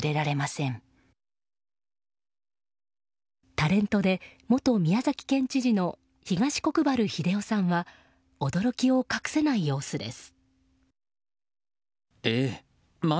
タレントで元宮崎県知事の東国原英夫さんは驚きを隠せない様子です。